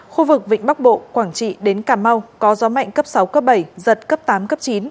khu vực vịnh bắc bộ quảng trị đến cà mau có gió mạnh cấp sáu cấp bảy giật cấp tám cấp chín